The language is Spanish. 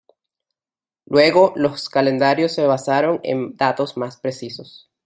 Luego los calendarios se basaron en datos más precisos.